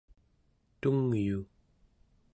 tungyu